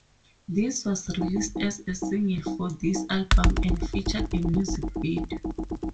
This was released as a single for this album and featured a music video.